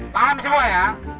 paham semua ya